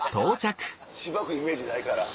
しばくイメージないから。